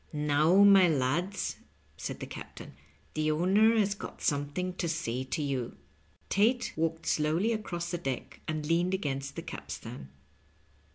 "Now, my lads," said the captain, "the owner has got something to say to you." Tate walked slowly across the deck and leaned against the capstan.